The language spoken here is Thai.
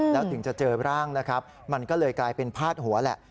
แล้วถึงจะเจอร่างนะครับมันก็เลยกลายเป็นพาดหัวแหละ